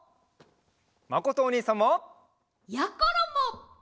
まことおにいさんも！やころも！